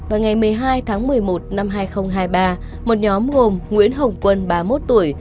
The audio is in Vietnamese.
vào ngày một mươi hai tháng một mươi một năm hai nghìn hai mươi ba một nhóm gồm nguyễn hồng quân ba mươi một tuổi